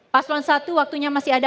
paslon satu waktunya masih ada